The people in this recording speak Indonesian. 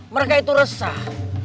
mereka itu resah